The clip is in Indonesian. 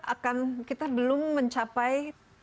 akan kita belum mencapai